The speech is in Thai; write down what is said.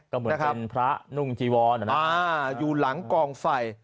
ก็เหมือนเป็นพระนุ่งจีวรอยู่หลังกองไฟ